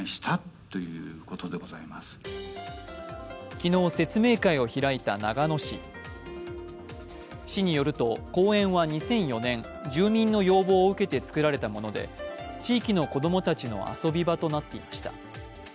昨日、説明会を開いた長野市市によると公園は２００４年住民の要望を受けて作られたもので地域の子供たちの遊び場となっていました。